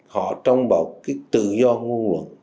họ trong một cái tự do nguồn luận